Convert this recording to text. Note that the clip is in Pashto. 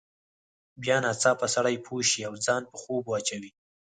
بیا ناڅاپه سړی پوه شي او ځان په خوب واچوي.